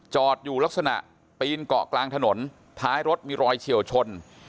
อยู่ลักษณะปีนเกาะกลางถนนท้ายรถมีรอยเฉียวชน